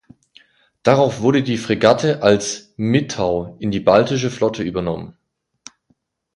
Darauf wurde die Fregatte als "Mitau" in die Baltische Flotte übernommen.